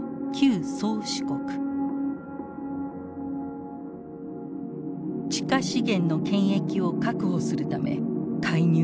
地下資源の権益を確保するため介入を続けていた。